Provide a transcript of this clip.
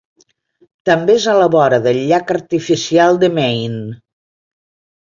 També és a la vora del llac artificial de Maine.